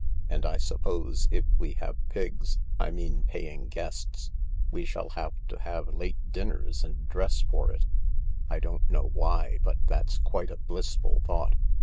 And I suppose if we have Pigs — I mean paying guests we shall have to have late dinners and dress for it. I don't know why, but that's quite a blissful thought.